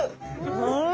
うん！